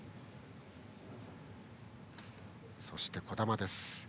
そして、児玉です。